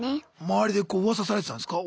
周りでこうウワサされてたんですか